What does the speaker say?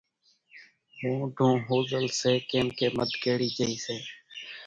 مونڍون ۿوزل سي ڪيمڪيَ مڌ ڪيڙِي جھئِي سي۔